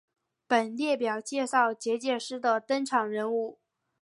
本列表介绍结界师的登场人物。